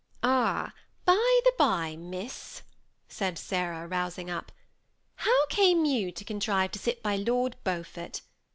" Ah, by the by, miss," said Sarah, rousing up, " how came you to contrive to sit by Lord Beaufort